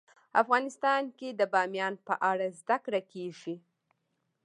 افغانستان کې د بامیان په اړه زده کړه کېږي.